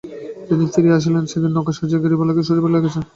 যেদিন ফিরিয়া আসিলেন, সেদিন নৌকা সাজাইয়া গিরিবালাকে শ্বশুরবাড়ি লইয়া যাইতেছে।